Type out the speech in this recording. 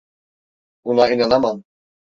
Buna inanamam.